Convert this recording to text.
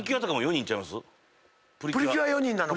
『プリキュア』４人なのか。